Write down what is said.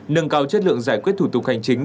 nâng cao chất lượng giải quyết thủ tục hành chính